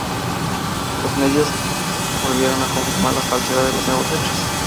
Los medios volvieron a confirmar la falsedad de los nuevos hechos.